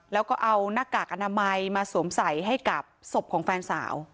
แล้วก็เอาหน้ากากอนามัยมาสวมใส่ให้กับศพของแฟนสาว